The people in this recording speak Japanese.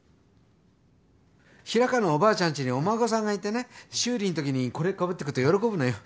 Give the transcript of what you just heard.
平川のおばあちゃんちにお孫さんがいてね修理のときにこれかぶってくと喜ぶのよ。